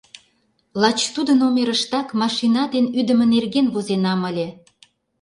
Лач тудо номерыштак машина дене ӱдымӧ нерген возенам ыле.